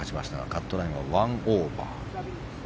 カットラインは１オーバー。